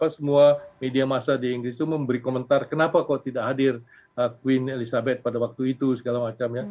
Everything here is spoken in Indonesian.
semua media masa di inggris itu memberi komentar kenapa kok tidak hadir queen elizabeth pada waktu itu segala macamnya